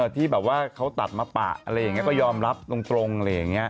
ที่แบบว่าเขาตัดมาปะอะไรอย่างนี้ก็ยอมรับตรงอะไรอย่างนี้